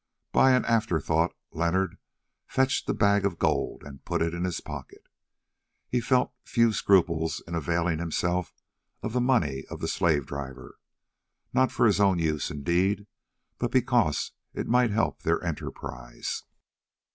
By an afterthought Leonard fetched the bag of gold and put it in his pocket. He felt few scruples in availing himself of the money of the slave driver, not for his own use indeed, but because it might help their enterprise.